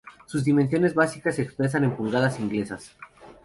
Sus dimensiones básicas se expresan en pulgadas inglesas.